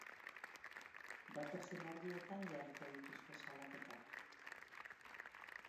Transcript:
Datozen orduetan jarriko dituzte salaketak.